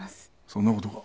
そんなことが？